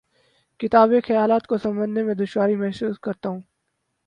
کتابی خیالات کو سمجھنے میں دشواری محسوس کرتا ہوں